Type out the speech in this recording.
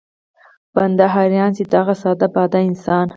بنده حيران شي چې دغه ساده باده انسان